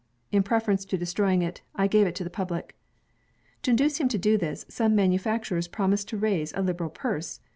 In preference to destroying it, I gave it to the public." To induce him to do this, some manufacturers promised to raise a liberal purse.